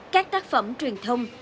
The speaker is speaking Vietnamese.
các tác phẩm truyền thông